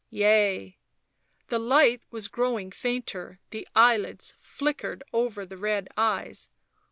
" Yea "; the light was growing fainter ; the eyelids flickered over the red eyes.